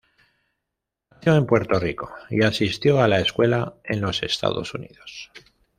Nació en Puerto Rico y asistió a la escuela en los Estados Unidos.